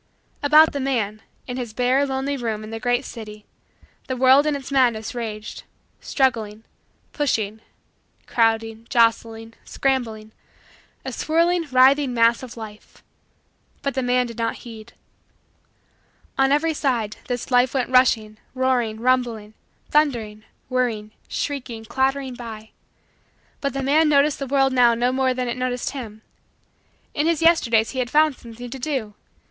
About the man in his bare, lonely, room in the great city, the world in its madness raged struggling, pushing, crowding, jostling, scrambling a swirling, writhing, mass of life but the man did not heed. On every side, this life went rushing, roaring, rumbling, thundering, whirring, shrieking, clattering by. But the man noticed the world now no more than it noticed him. In his Yesterdays he had found something to do.